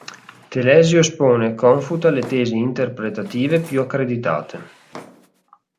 Telesio espone e confuta le tesi interpretative più accreditate.